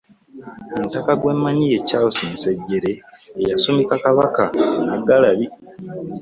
Omutaka gwemmanyi ye Charles Nsejjere eyasumika Kabaka e Naggalabi